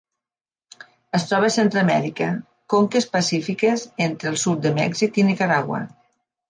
Es troba a Centreamèrica: conques pacífiques entre el sud de Mèxic i Nicaragua.